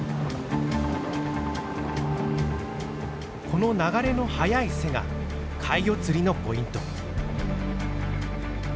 この流れの速い瀬が怪魚釣りのポイント。